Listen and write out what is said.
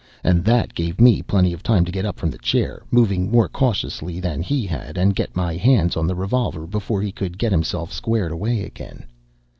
And that gave me plenty of time to get up from the chair, moving more cautiously than he had, and get my hands on the revolver before he could get himself squared away again.